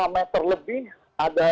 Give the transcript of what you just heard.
lima meter lebih ada